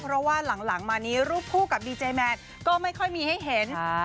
เพราะว่าหลังมานี้รูปคู่กับดีเจแมนก็ไม่ค่อยมีให้เห็น